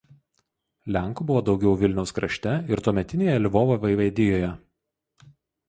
Lenkų buvo daugiau Vilniaus krašte ir tuometinėje Lvovo vaivadijoje.